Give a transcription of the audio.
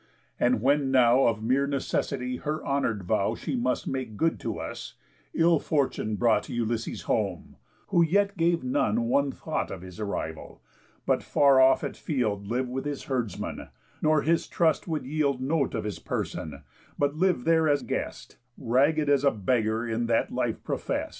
And when now Of mere necessity her honour'd vow She must make good to us, ill fortune brought Ulysses home, who yet gave none one thought Of his arrival, but far off at field Liv'd with his herdsman, nor his trust would yield Note of his person, but liv'd there as guest, Ragg'd as a beggar in that life profest.